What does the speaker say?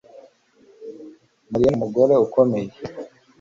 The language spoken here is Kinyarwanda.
Mariya numugore ukomeye